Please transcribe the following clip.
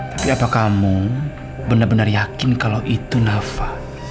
tapi apakah kamu benar benar yakin kalau itu nafa